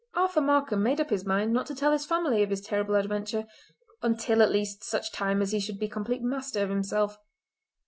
Arthur Markam made up his mind not to tell his family of his terrible adventure—until at least such time as he should be complete master of himself.